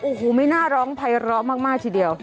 โอ้โหไม่น่าร้องภัยร้อมากทีเดียว